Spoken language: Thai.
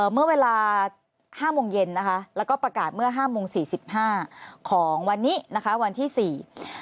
เมื่อเวลา๕โมงเย็นนะคะแล้วก็ประกาศเมื่อ๕โมง๔๕ของวันนี้นะคะวันที่๔